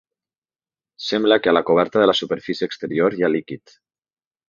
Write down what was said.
Sembla que a la coberta de la superfície exterior hi ha líquid.